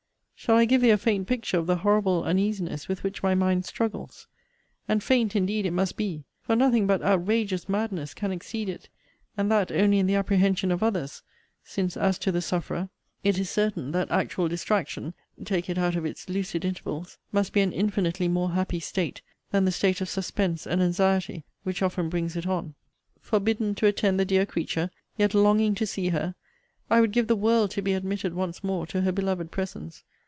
Shall I give thee a faint picture of the horrible uneasiness with which my mind struggles? And faint indeed it must be; for nothing but outrageous madness can exceed it; and that only in the apprehension of others; since, as to the sufferer, it is certain, that actual distraction (take it out of its lucid intervals) must be an infinitely more happy state than the state of suspense and anxiety, which often brings it on. Forbidden to attend the dear creature, yet longing to see her, I would give the world to be admitted once more to her beloved presence.